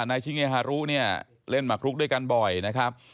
นายชิเงฮารุเนี่ยเล่นหมักลุกด้วยกันบ่อยนะครับ